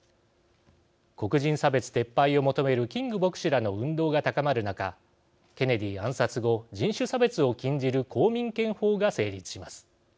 黒人差別撤廃を求めるキング牧師らの運動が高まる中ケネディ暗殺後人種差別を禁じる公民権法が成立します。